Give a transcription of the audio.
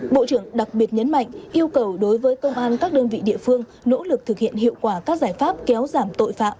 bộ trưởng đặc biệt nhấn mạnh yêu cầu đối với công an các đơn vị địa phương nỗ lực thực hiện hiệu quả các giải pháp kéo giảm tội phạm